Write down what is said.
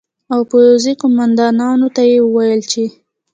او پوځي قومندانانو ته یې وویل چې